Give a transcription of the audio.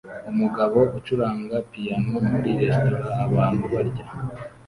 Umugabo ucuranga piyano muri resitora abantu barya